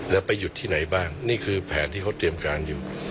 แล้วไปหยุดที่ไหนบ้างนี่คือแผนที่เขาเตรียมการอยู่